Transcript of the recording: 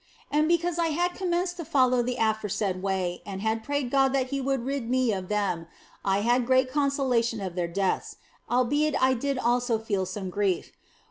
And because I had commenced to follow the aforesaid way and had prayed God that He would rid me of them, I had great consolation of their deaths, albeit I did also feel some grief.